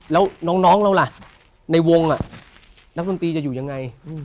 แล้วน้องเราล่ะในวงนักดนตรีจะอยู่ยังไง